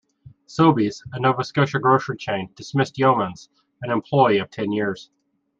Sobeys, a Nova Scotia grocery chain, dismissed Yeomans, an employee of ten years.